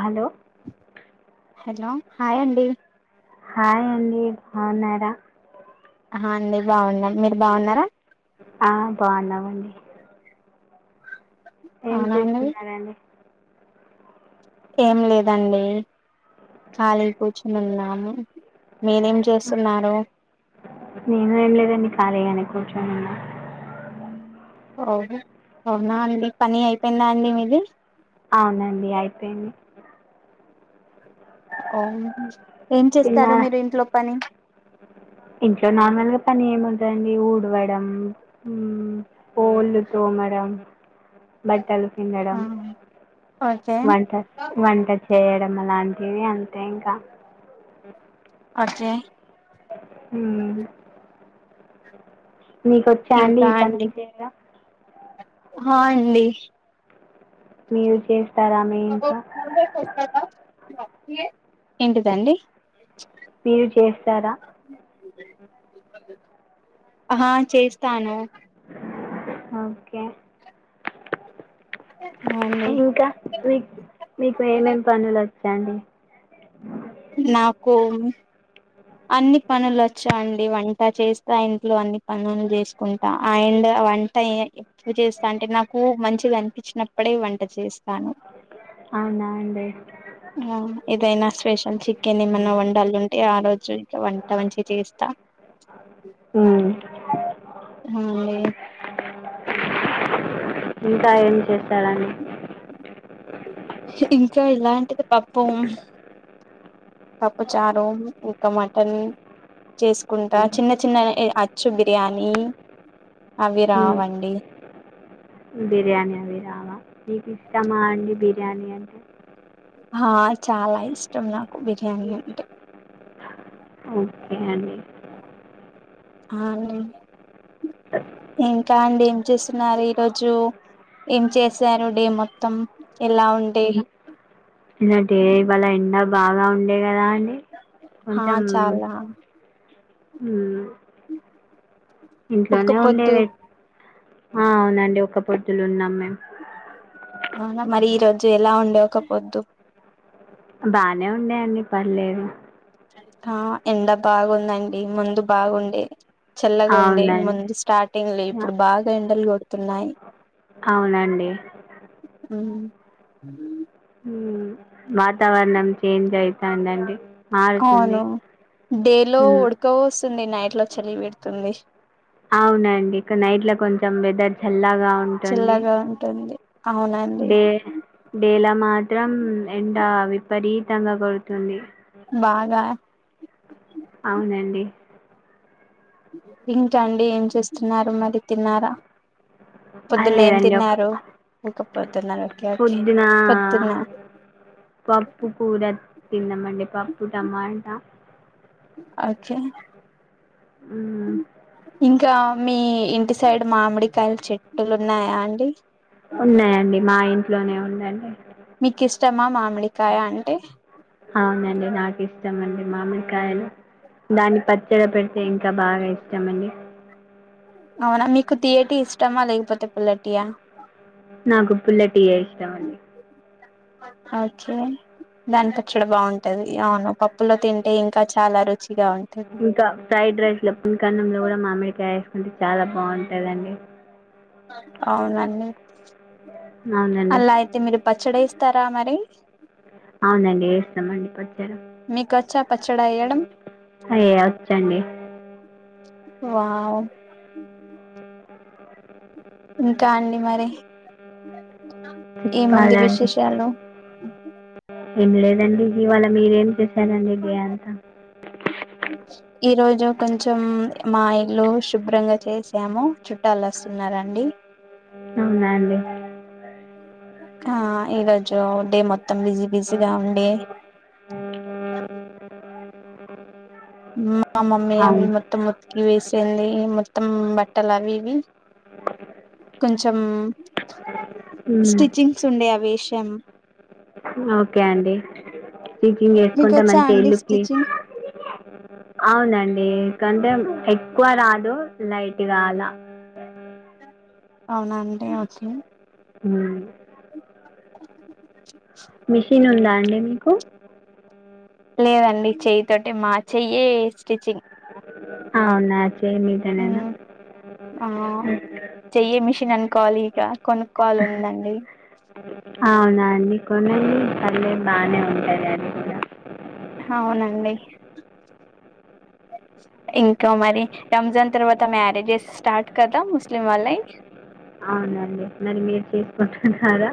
Hello hello hi అండి hi అండి బాగున్నాడా హా అండి బాగున్నాం మీరు బాగున్నారా ఆ బాగున్నావండి ఏం అవునా అండి చేస్తున్నారండి ఏం లేదండి ఖాళీ కూర్చొనినున్నాము నేను ఏం లేదండి ఖాళీగానే కూర్చోనున్నా ఓహ్ అవునా అండి పని అయిపోయిందా అండి మీది అవునండి అయిపోయింది అవున్ ఏం చేస్తారు తిన్నారా మీరు ఇంట్లో పని ఇంట్లో నార్మల్ గా పని ఏముంటదండి ఊడవడం మ్మె బోళ్ళు తోమడం. బట్టలు పిండడం ఆ ఓకే వంట వంట చేయ డం లాంటివి అంతే ఇంకా ఓకే హుమ్ మీ కొచ్చా అండి ఇంకా ఈ పనులు చేయడం హాయ్ అండి మీరు చేస్తారామె ఇంకా ఏంటిదండి మీరు చేస్తారా ఆ చేస్తాను ఓకే అవునండి ఇంకా మీ మీకు ఏమేం పనుల చాడి నాకు అన్ని పనులు వచ్చావుండి వంట చేస్తా ఇంట్లో అన్ని పనులు చేసుకుంటా ఆండ్ వంట ఎక్కువ చేస్తా అంటే నాకు మంచిది అనిపించినప్పుడే వంట చేస్తా అవునా అండి ఇదైనా స్పెషల్ చికెన్ ఏమన్నా వండాల ఉంటే ఆ రోజు వంట మంచిస్తా ఉ అవును లే ఇంకా ఏం చేస్తారండి ఇంకా ఇలాంటిది పప్పు పప్పు చారు ఇంకా మటన్ చేసుకుంటా చిన్న చిన్న చ్చు బిర్యానీ అవి ఉమ్. రావండి బిర్యానీ అవి రావా మీకీష్టమా అండి బిర్యానీ అంటే ఆ చాలా ఇష్టం నాకు బిర్యానీ అంటే ఓకే అండి. అ ఇంకా అండి ఏం చేస్సున్నారు ఈరోజు, ఏం చేశారు డే మొత్తం. ఎలా ఉండే ఇలాంటి ఏ బలైన బాగా ఉండే గదా హా చాలా హు [unintelligible] ఒక్క ఇంట్లోనే పొద్దు ఉండేవి ఆ అవునండి ఒకపొద్ అవునా మరి ఈ రోజు ఎలా ఉండేవు ఒక్కపొద్దు బానే ఉండ్యా అండి పర్లేదు ఎండ బాగుందండి ముందు బాగుండేది చల్లగా ఉండే అవునండి ముందు స్టార్టింగ్ లో ఆ, ఇప్పుడు బాగా ఎండలు గొ తున్నాయ్ అవునండి ఉ వాతావరణం చేంజ్ అయితాంది అండి అవును డే లో మ్మ్ ఉడక పోస్స్తుంది నైట్ నైట్ లో చలి పెడుతుంది అవునండి ఇక నైట్లో కొంచెం వెదర్ చల్లా గా ఉంటుంది చల్లగా ఉంటుంది అవునండి డే డే లా మాత్రం ఎం డ విపరీతంగా కొడుతుంది బాగా అవునండి ఇకాండి ఏం చేస్తున్నారు మరి తిన్నారా అ పొద్దున్న ఏం లేదండి ఒక తిన్నారు ఇంకా పొద్దున్నారు ఓకే ఓకే పొద్దునా పొద్దున్న పప్పు కూర తింన్నామండి పప్పు టమాట ఓకే మ్మ్ ఇంకా మీ ఇంటి అంటె మామిడికాయల చెట్టులు ఉన్నాయా అండి లోనే ఉందండి మీకు ఇష్ట మా మామిడికాయ అంటే అవునండి నాకు ఇష్టం అండి మామిడికాయలు దాన్ని పచ్చడి పెడితే ఇంకా బాగా ఇష్టమ అండి అవునా మీకు తియ్యటి ఇష్టమా లేకపోతే పుల్లటియా నాకు పుల్ల టియే ఇష్టం అండి ఓకే దాని పచ్చడి బాంటది అవును పప్పులో తింటే ఇంకా చాలా రు ఇంకా ఫ్రైడ్ రైస్ లో పింకన్నంలో కూడా మామిడికాయ ఏసుకుంటే చాలా బాగుంటదండి. అవునండి. అవునండి అలా అయితే మీరు పచ్చడేస్ తరా మరీ. అవునండి ఏస్తమండి పచ్ చడ మీకొచ్చా పచ్చడి వేయడం అయే వచ్చండి. వావ్! ఇంకా అండి మరి. ఏముంది చెప్పాలండి విశేషాలు. ఏం లేదండి ఇవాళ మీరేం చేసారండి డే అంతా. ఈ రోజు కొంచం మా ఇల్లు శుభ్రంగా చేసాము. చుట్టాలు వస్తున్నారండి. అవునా అండి. ఆ ఈరోజు డే మొత్తం బిజీ బిజీగా ఉండి. ఉ మా మమ్మీ అవి అవును మొత్తం మొత్ ఇ వేసేంది మొత్తం బట్టలు అవి ఇవీ, కొంచెం మ్మ్. స్టిచింగ్స్ ఉండే అవి వేశాం. ఓకే అండి స్టిట్చింగ్ మీకు చేసుకుంటే వచ్చా మంచి అండి ఇల్లు క్లీన్ స్టిచ్చింగ్ అవునండీ [inaudible] కంటే ఎక్ ఎక్కువ రాదు లైట్ గా అలా అవునా అండి వచ్చు హ్మ మిషిన్ ఉందా అండి మీక్ కు లేదండి చెయ్యి తోటే. మా చెయ్యే స్టిచ్చింగ్. అవునా చేయి మీదనేనా ఆ చెయ్యే మిష్ షిన్ అనుకోవాలి ఇగా కొనుక్కోవాలని ఉందండి. అవునా అండి. కొనండీ పర్లేదు బాగనే ఉంటది అది గూడా. అవునండి. ఇంకా మరి రంజాన్ తర్వాత మ్యారేజెస్ స్టార్ట్ కదా ముస్లిం వాళ్ళై. అవునండి మరి మీరు చేసుకుంటున్నారా.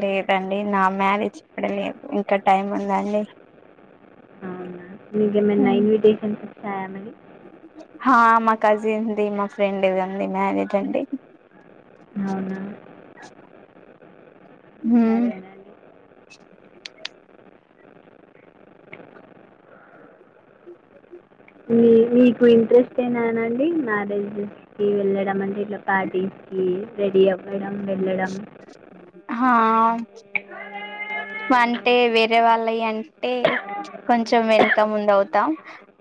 లేదండి నా మ్యారేజ్ ఇప్పుడే లేద్. ఇంకా టైం ఉందండి. ఇంకేమన్నా ఇన్విటేషన్స్ ఫ్యామిలీ అ మా కాసిన్ ది మా ఫ్రెండ్ది ఉంది మ్యారేజ్ అండి అవునా మ్ సరేనండి మీ నీకు ఇంట్రెస్ట్ ఏనానండి మ్యారేజెస్ కి వెళ్ళడం అంటే ఇట్లా పార్టీస్ కి రెడీ అవ్వడం వెళ్ళడం ఆ అంటే వేరే వాళ్ళవి అంటే కొంచెం వెన్కమ్ ముంద అవుతాం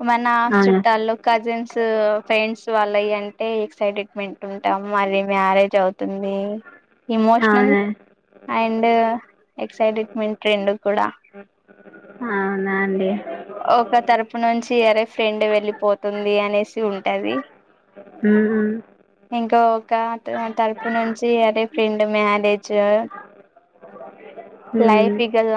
మన అవునా చుట్టాల్లో కజిన్స్ ఫ్రెండ్స్ వాళ్ళు అవి అంటే ఎక్సైటెట్మెంట్ ఉంటాం మరి మ్యారేజ్ అవుతుంది ఇమోషనల్ అవునా అండ్ ఎక్సైటెట్మెంట్ రెండు కూడా అవునా అండి ఒక తరపు నుంచి ఎర ఫ్రెండ్ వెళ్ళిపోతుంది అనేసి ఉంటది మ్ ఇంకా ఒక తరపు నుంచి అదే ఫ్రెండ్ మ్యారేజ్ లైఫ్ మ్మ్. ఇగల్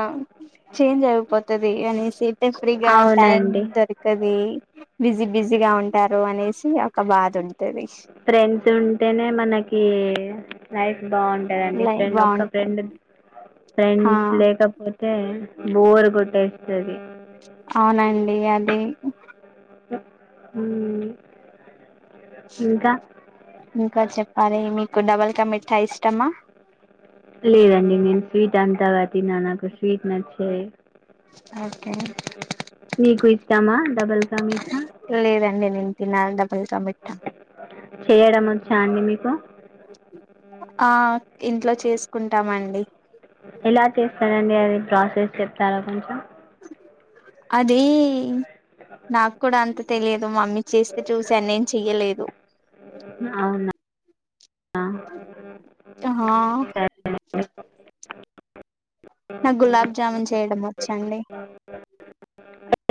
చెంజ్ అయిపొతేది అనేసి ఫ్రీగా టైమ్ అవునండి ఉంటాది [unintelligible] బిజీ బిజీగా ఉంటారు అనేసి ఒక బాధ ఉంటది టెన్స్ ఉంటేనే మనకి లైఫ్ బాగుంటందండి లైఫ్ ఫ్రెండ్ ఒక్క బాగుంటది ఫ్రెండ్ హా ఫ్రెండ్స్ లేకపోతే బోర్ గిట్టేస్తది అవునండి అది మ్మ్ ఇంకా ఇంకా చెప్పాలి మీకు డబల్ కా మిఠా ఇష్టమా లేదండి నేను స్వీట్ అంతగా తిన నాకు స్వీట్ నచ్చదు ఓకే నీకు ఇష్టామా డబల్కా మీఠా నేను లేదండి నిన్న తిన్నాను డబల్ కా మిఠా చేయడం వచ్చా అండి మీకు ఆ ఇంట్లో చేసుకుంటామండి ఎలా చేస్తారండి అది ప్రాసెస్ చెప్తారా కొంచెం అదీ నాకు కూడా అంత తెలియదు మమ్మీ చేస్తే చూసాను నేను చెయ్యలేదు అవునా హా సరే నాకు గులాబ్ జామున్ చేయడం వచ్చండి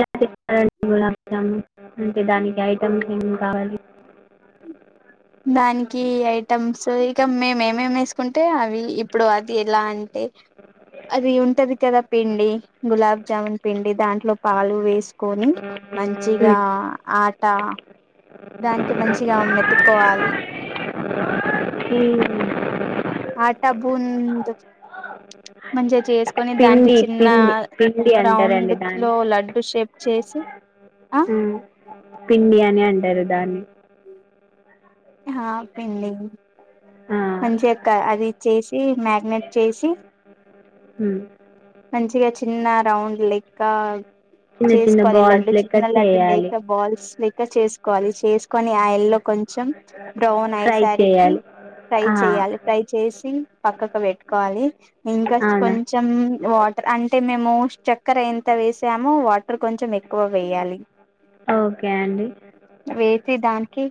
ఎలా చేస్తారండి గులాబ్ జామున్ అంటే దానికి ఐటమ్స్ ఏమి కావాలి దానికి ఐటమ్స్ ఇక మేము ఏమేమి వేసుకుంటే అవి ఇప్పుడు అది ఎలా అంటే అది ఉంటది కదా పిండి గులాబ్ జామున్ పిండి దాంట్లో పాలు వేసుకొని మంచిగా మ్మ్. ఆట దానికి మంచిగా మెతుక్కోవాలి ఈ ఆటా బూంద మే [unintelligible] చేసుకొని దానికి పిండి చిన్న పిండి పిండి అంటారండి రౌండ్ దాన్ని లో లడ్డు షేప్ చేసి ఆ ఉమ్. పిండి అని అంటారు దాన్ని ఆ పిండి ఆ. మంచిగాక్క అది చేసి మ్యగినెట్ చేసి హ్మ్ మంచిగా చిన్న రౌండ్ లెక్క చిన్న చిన్న చేసుకోవాలి బాల్స్ లడ్డు లెక్క చిన్న లడ్డు చేయాలి లేక బాల్స్ లెకా చేసుకోవాలి చేసుకొని‌ ఆయిల్ లో కొంచెం బ్రౌన్ ఫ్రై అయసరికి చేయాలి ఫ్రై ఆ, చేయాలి ఫ్రై చేసి పక్కకు పెట్టుకోవాలి ఇంకా అవునా కొంచెం వాటర్ అంటే మేము చక్కెర ఎంత వేసామో వాటర్ కొంచెం ఎక్కువ వేయాలి ఓకే అండి శి దాన్కి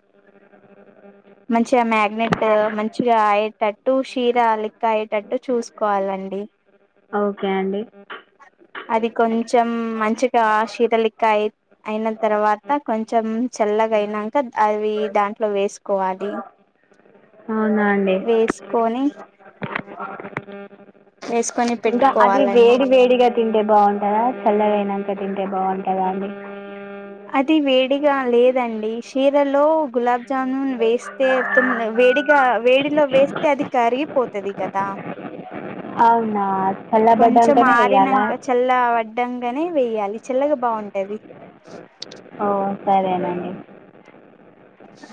మంచిగా మ్యాగ్నెట్ మంచిగా అయేటట్టు చీర లిక్ అయేటట్టు చూసుకోవాలండి ఓకే అండి అది కొంచెం మంచిగా శీతలిక్క అయి అయిన తర్వాత కొంచెం చల్లగా అయినాక అవి దాంట్లో వేసు కోవాలి అవునా అండి వేసుకోని ఏస్ ఇంకా అది వేడి వేడిగా తింటే బాగుంటదా చల్లగై నాంక తింటే బాగుంటందా అండి అది వేడిగా లేదండి షీరలో గులాబ్జామున్ వేస్తే వేడిగా వేడిలో వేస్తే అది కరిగిపోతుది కదా అవునా చల్ల బడ్డ అంటనే వెయ్యాల అడ్డంగానే వేయాలి చిల్లగా బాగుంటది ఓ సరేనండి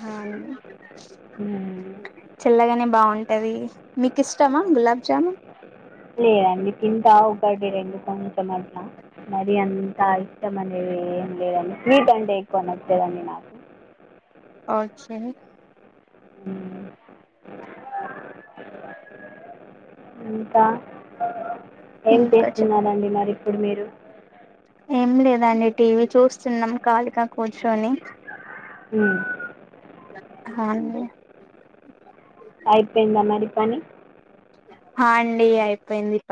అ ఉమ్. చల్లగానే బాగుంటంది మీకు ఇష్టమా గులాబ్ జామున్ లేదండి తింటా ఒకటి రెండు కొంచెం అట్లా మరి అంతా ఇష్టం అనేది ఏం లేదండి స్వీట్ అంటే ఎక్కువ నచ్చదండి నాకు [unintelligible] మ్మ్. ఇంకా ఏం ఇంకా చెప్ చేస్తున్నారండి మరి ఇప్పుడు మీరు ఏం లేదండి టీవీ చూస్తున్నాం కాళిగా కూర్చొని ఉ [unintelligible] కానీ అ అండి అయిపోయింది పని